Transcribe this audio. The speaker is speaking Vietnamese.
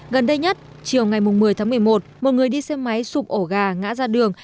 gần đây nhất chiều ngày một mươi tháng một mươi một một người đi xe máy sụp ổ gà ngã ra đường